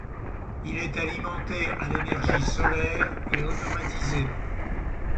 Il est alimenté à l'énergie solaire et automatisé.